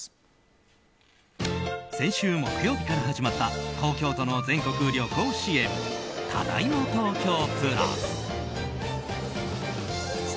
先週木曜日から始まった東京都の全国旅行支援ただいま東京プラス。